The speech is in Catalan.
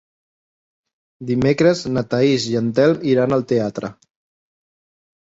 Dimecres na Thaís i en Telm iran al teatre.